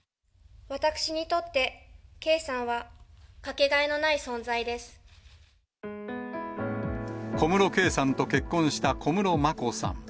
私にとって圭さんは掛けがえ小室圭さんと結婚した小室眞子さん。